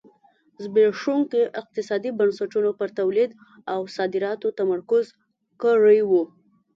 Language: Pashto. زبېښونکو اقتصادي بنسټونو پر تولید او صادراتو تمرکز کړی و.